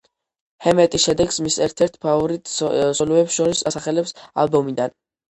ჰემეტი შედეგს მის ერთ-ერთ ფავორიტ სოლოებს შორის ასახელებს ალბომიდან.